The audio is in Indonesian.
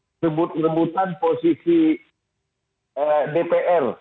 ini menyebut rembutan posisi dpr